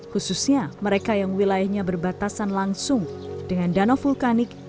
khususnya mereka yang wilayahnya berbatasan langsung dengan danau vulkanik